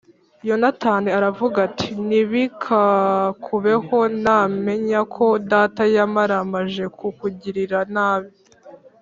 Yonatani aravuga ati “Ntibikakubeho! Namenya ko data yamaramaje kukugirira nabi